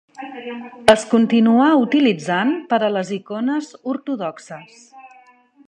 Es continuà utilitzant per a les icones ortodoxes.